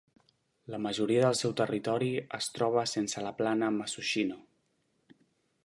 La majoria del seu territori es troba sobre la plana Musashino.